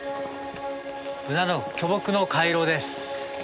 ブナの巨木の回廊です。